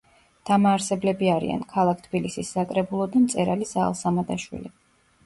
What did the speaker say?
დამაარსებლები არიან: ქალაქ თბილისის საკრებულო და მწერალი ზაალ სამადაშვილი.